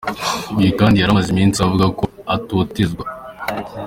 Uyu kandi yari amaze iminsi avuga ko atotezwa.